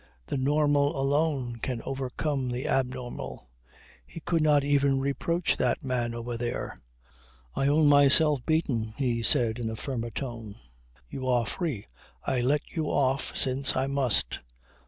The normal alone can overcome the abnormal. He could not even reproach that man over there. "I own myself beaten," he said in a firmer tone. "You are free. I let you off since I must."